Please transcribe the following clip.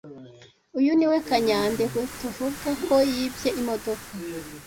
Uyu niwe kanyandekwe tuvuga ko yibye imodoka.